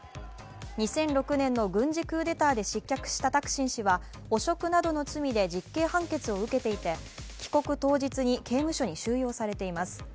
２００６年の軍事クーデターで失脚したタクシン氏は汚職などの罪で実刑判決を受けていて、帰国当日に刑務所に収容されています。